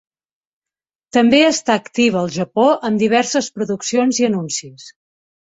També està activa al Japó amb diverses produccions i anuncis.